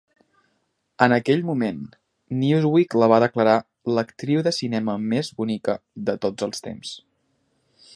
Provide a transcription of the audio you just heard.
En aquell moment, "Newsweek" la va declarar "l'actriu de cinema més bonica de tots els temps".